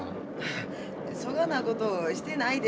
そがなことしてないで。